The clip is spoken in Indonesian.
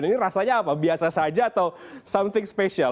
ini rasanya apa biasa saja atau something special